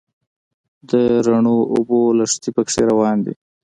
د رڼو اوبو لښتي په کې روان دي.